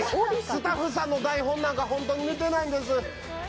スタッフさんの台本なんか、本当に見てないんです。